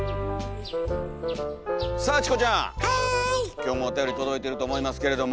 今日もおたより届いてると思いますけれども。